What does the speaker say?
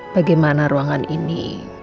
bagaimana ruangan ini